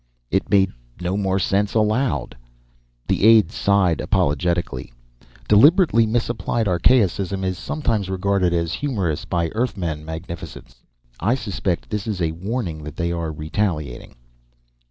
It made no more sense aloud. The aide sighed apologetically. "Deliberately misapplied archaicism is sometimes regarded as humorous by Earthmen, magnificence. I suspect this is a warning that they are retaliating."